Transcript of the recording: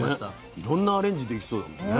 いろんなアレンジできそうだもんね。